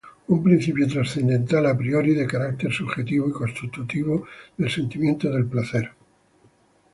Un principio "trascendental" a priori, de carácter "subjetivo" y "constitutivo" del sentimiento del placer.